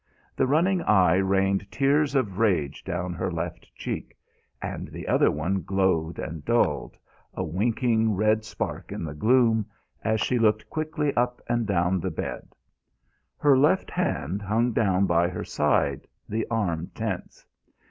The running eye rained tears of rage down her left cheek; and the other one glowed and dulled, a winking red spark in the gloom, as she looked quickly up and down the bed. Her left hand hung down by her side, the arm tense.